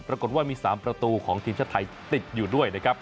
ปรากฏว่ามี๓ประตูของทีมชาติไทยติดอยู่ด้วยนะครับ